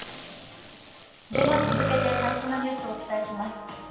続けて、最新のニュースをお伝えします。